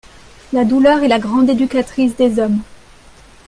La douleur est la grande éducatrice des hommes.